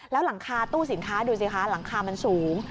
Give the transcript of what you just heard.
แล้วหลังคาตู้สินค้าดูสิคะหลังคามันสูง